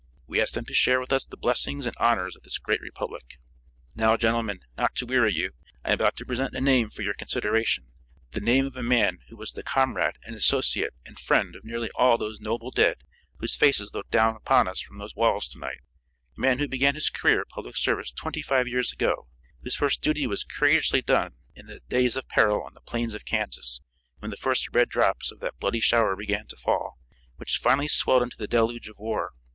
We ask them to share with us the blessings and honors of this great republic. "Now, gentlemen, not to weary you, I am about to present a name for your consideration the name of a man who was the comrade and associate and friend of nearly all those noble dead whose faces look down upon us from these walls to night, a man who began his career of public service twenty five years ago, whose first duty was courageously done in the days of peril on the plains of Kansas, when the first red drops of that bloody shower began to fall, which finally swelled into the deluge of war.